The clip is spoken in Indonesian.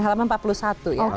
halaman empat puluh satu ya